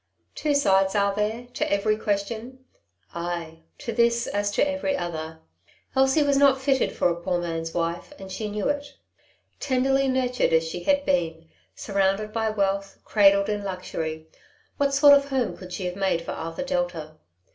Two sides are there to every question ? Ay, to this as to every other. Elsie was not fitted for a poor man's wife, and she knew it. Tenderly nur tured as she had been, surrounded by wealth, cradled in luxury, what sort of home could she have made for Arthur Delta